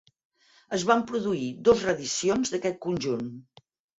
Es van produir dos reedicions d'aquest conjunt.